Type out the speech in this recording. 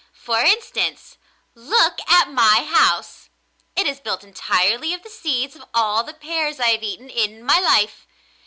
For instance, look at my house! It is built entirely of the seeds of all the pears I have eaten in my life.